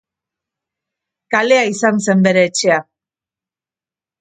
Kalea izan zen bere etxea.